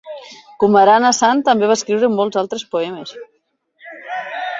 Kumaran Asan també va escriure molts altres poemes.